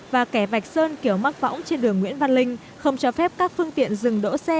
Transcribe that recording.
và kẻ vạch sơn kiểu mắc võng trên đường nguyễn văn linh không cho phép các phương tiện dừng đỗ xe